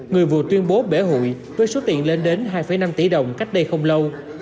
người vừa tuyên bố bể hụi với số tiền lên đến hai năm tỷ đồng cách đây không lâu